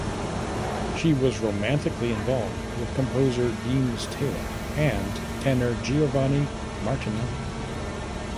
She was romantically involved with composer Deems Taylor and tenor Giovanni Martinelli.